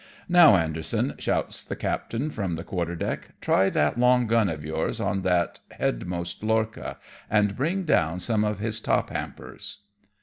"Now, Anderson," shouts the captain from the quarter deck, "try that long gun of yours on that headmost lorcha, and bring down some of his top hampers."